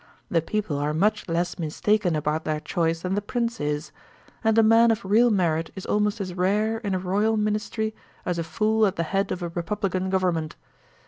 The people are much less mistaken about their choice than the prince is; and a man of real merit is almost as rare in a royal minis try as a fool at the head of a republican government.